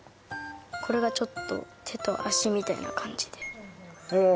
これがちょっと手と脚みたいな感じでああ